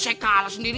saya kalah sendiri